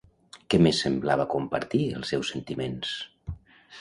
Què més semblava compartir els seus sentiments?